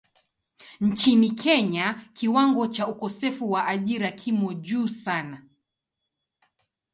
Nchini Kenya kiwango cha ukosefu wa ajira kimo juu sana.